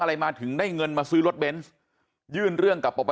อะไรมาถึงได้เงินมาซื้อรถเบนส์ยื่นเรื่องกับปป